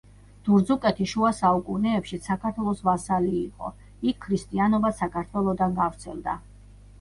დურძუკეთი შუა საუკუნეებშიც საქართველოს ვასალი იყო, იქ ქრისტიანობაც საქართველოდან გავრცელდა.